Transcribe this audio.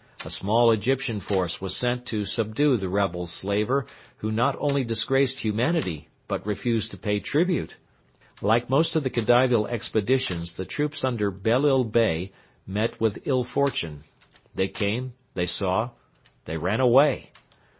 A small Egyptian force was sent to subdue the rebel slaver who not only disgraced humanity but refused to pay tribute. Like most of the Khedivial expeditions the troops under Bellal Bey met with ill fortune. They came, they saw, they ran away.